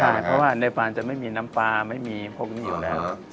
ใช่เพราะว่าในปานจะไม่มีน้ำปลาไม่มีพวกนี้อยู่แล้ว